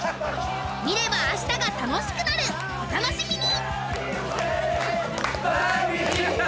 見れば明日が楽しくなるお楽しみに！